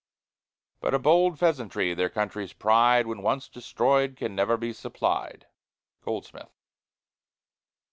But a bold pheasantry, their country's pride When once destroyed can never be supplied. GOLDSMITH.